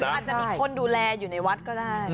อาจจะมีคนดูแลอยู่ในวัดก็ได้